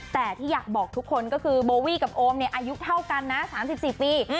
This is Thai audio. แต่ที่อยากบอกทุกคนก็คือโบวี่กับโอมเนี่ยอายุเท่ากันนะ๓๔ปี